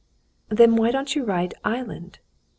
"Then why don't you write 'island'?"